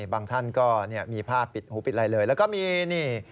บางท่านก็มีผ้าปิดหูบิดไรเลยแล้วก็มี